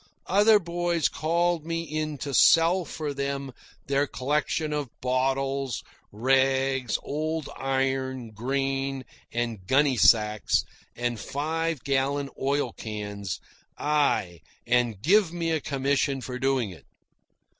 Other boys called me in to sell for them their collections of bottles, rags, old iron, grain, and gunny sacks, and five gallon oil cans aye, and gave me a commission for doing it.